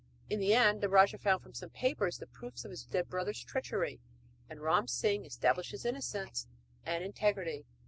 In the end the rajah found from some papers the proofs of his dead brother's treachery; and Ram Singh established his innocence and integrity.